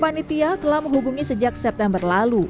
panitia telah menghubungi sejak september lalu